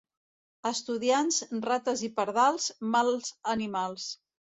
Estudiants, rates i pardals, mals animals.